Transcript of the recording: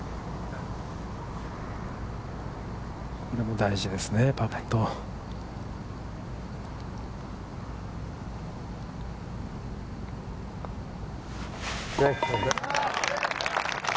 これも大事ですね、パーパット。